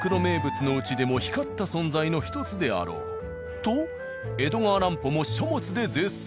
と江戸川乱歩も書物で絶賛。